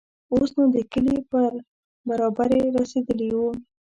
اوس نو د کلي پر برابري رسېدلي وو.